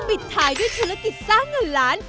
ปิดท้ายด้วยธุรกิจสร้างเงินล้าน